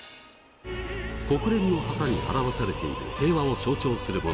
国連の旗に表されている平和を象徴するもの。